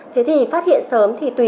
thế thì phát hiện sớm thì tùy